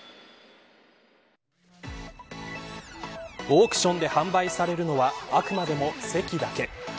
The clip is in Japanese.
オークションで販売されるのはあくまでも席だけ。